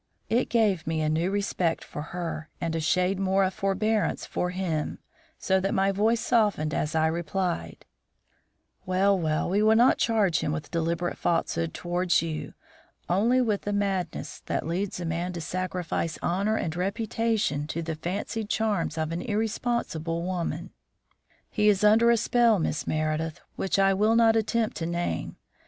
It gave me a new respect for her and a shade more of forbearance for him, so that my voice softened as I replied: "Well, well, we will not charge him with deliberate falsehood towards you, only with the madness which leads a man to sacrifice honour and reputation to the fancied charms of an irresponsible woman. He is under a spell, Miss Meredith, which I will not attempt to name.